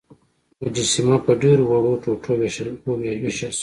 مجسمه په ډیرو وړو ټوټو ویشل شوه.